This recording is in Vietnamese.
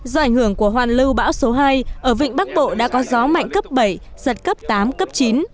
do ảnh hưởng của hoàn lưu bão số hai ở vịnh bắc bộ đã có gió mạnh cấp bảy giật cấp tám cấp chín